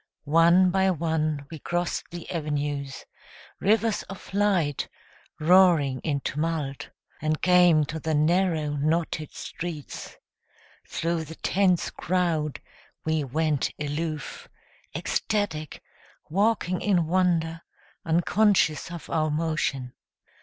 One by one we crossed the avenues, Rivers of light, roaring in tumult, And came to the narrow, knotted streets. Thru the tense crowd We went aloof, ecstatic, walking in wonder, Unconscious of our motion.